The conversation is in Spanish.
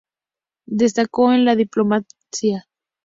Destacó en la diplomacia.